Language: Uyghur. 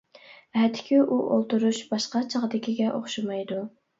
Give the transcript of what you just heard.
ئەتىكى ئۇ ئولتۇرۇش باشقا چاغدىكىگە ئوخشىمايدۇ.